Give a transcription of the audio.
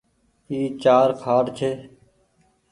اي چآر کآٽ ڇي۔